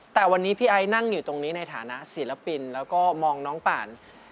แต่วันนี้พี่ไอ้นั่งอยู่ตรงนี้ในฐานะศิลปินแล้วก็มองน้องป่าน